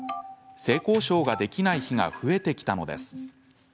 性交渉ができない日が増えてきたのです。